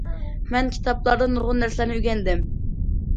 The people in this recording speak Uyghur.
مەن كىتابلاردىن نۇرغۇن نەرسىلەرنى ئۆگەندىم.